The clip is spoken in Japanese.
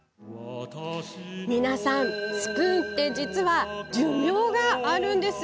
皆さん、スプーンって実は寿命があるんです。